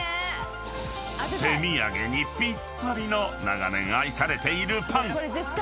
［手土産にぴったりの長年愛されているパン］